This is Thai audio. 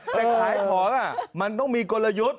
แต่ขายของมันต้องมีกลยุทธ์